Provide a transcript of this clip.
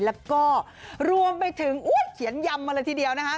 แล้วก็รวมไปถึงเขียนยำมาเลยทีเดียวนะคะ